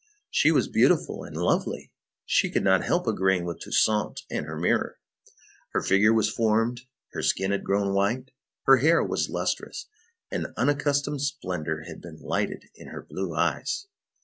She was beautiful and lovely; she could not help agreeing with Toussaint and her mirror. Her figure was formed, her skin had grown white, her hair was lustrous, an unaccustomed splendor had been lighted in her blue eyes.